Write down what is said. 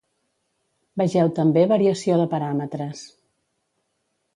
Vegeu també variació de paràmetres.